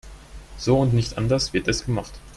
So und nicht anders wird es gemacht.